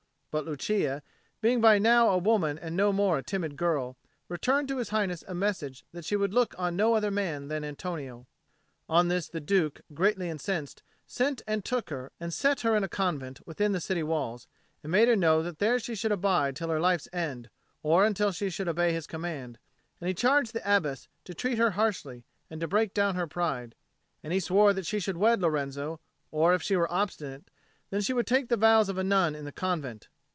But Lucia, being by now a woman and no more a timid girl, returned to His Highness a message that she would look on no other man than Antonio. On this the Duke, greatly incensed, sent and took her, and set her in a convent within the city walls, and made her know that there she should abide till her life's end, or until she should obey his command; and he charged the Abbess to treat her harshly and to break down her pride: and he swore that she should wed Lorenzo; or, if she were obstinate, then she should take the vows of a nun in the convent.